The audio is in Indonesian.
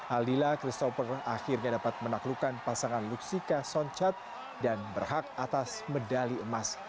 aldila christopher akhirnya dapat menaklukkan pasangan luxika soncat dan berhak atas medali emas